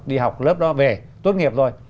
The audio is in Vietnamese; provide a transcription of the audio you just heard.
đi học lớp đó về tốt nghiệp rồi